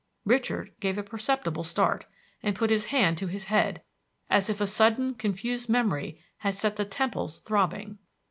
Richard gave a perceptible start, and put his hand to his head, as if a sudden confused memory had set the temples throbbing.